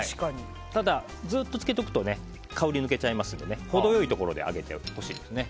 ただ、ずっと浸けておくと香りが抜けちゃいますので程良いところであげてほしいです。